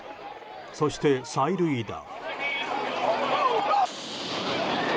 そして催涙弾。